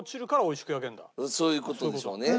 そういう事でしょうね。